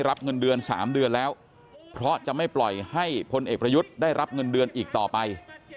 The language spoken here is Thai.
รับเงินเดือน๓เดือนแล้วเพราะจะไม่ปล่อยให้พลเอกประยุทธ์ได้รับเงินเดือนอีกต่อไป